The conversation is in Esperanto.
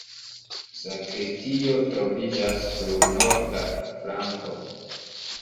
Sakristio troviĝas sur norda flanko.